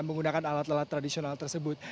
menggunakan alat alat tradisional tersebut